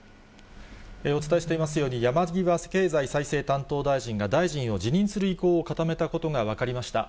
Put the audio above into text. お伝えしていますように、山際経済再生担当大臣が大臣を辞任する意向を固めたことが分かりました。